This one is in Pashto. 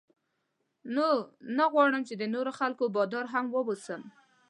نو نه غواړم چې د نورو خلکو بادار هم واوسم.